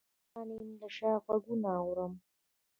مات روان یمه له شا غــــــــږونه اورم